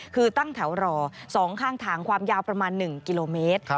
คือตั้งแถวรอ๒ข้างทางความยาวประมาณ๑กิโลเมตร